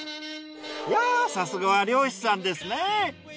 いやぁさすがは漁師さんですね！